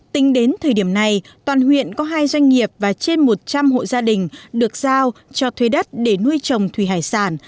tính đến thời điểm này toàn huyện có hai doanh nghiệp và trên một trăm linh hộ gia đình được giao cho thuê đất để nuôi trồng thủy hải sản